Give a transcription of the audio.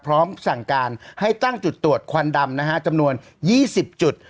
พร้อมสั่งการให้ตั้งจุดตรวจควันดำนะฮะจำนวน๒๐จุด